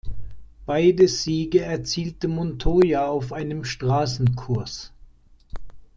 Beide Siege erzielte Montoya auf einem Straßenkurs.